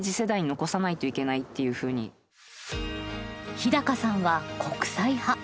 日さんは国際派。